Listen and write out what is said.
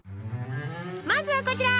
まずはこちら！